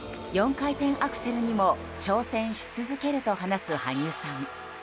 ４回転アクセルにも挑戦し続けると話す羽生さん。